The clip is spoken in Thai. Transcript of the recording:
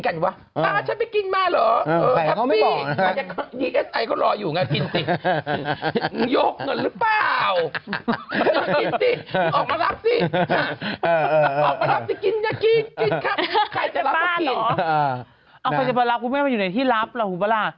ใครจะมารับกูไม่อยู่ในที่รับแหละบ๊วยบางลาย